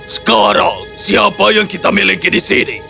sekarang siapa yang kita miliki di sini